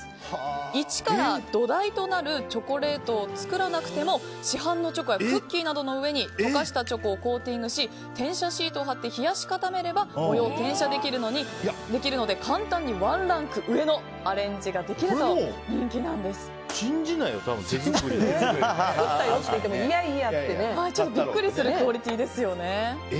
一から土台となるチョコレートを作らなくても市販のチョコやクッキーなどの上に溶かしたチョコをコーティングし転写シートを貼って冷やし固めたら模様を転写できるので簡単にワンランク上のこれもう信じないよ作ったよって言ってもビックリするクオリティーですよね。